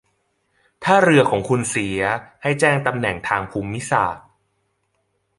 ถ้าเรือของคุณเสีย ให้แจ้งตำแหน่งทางภูมิศาสตร์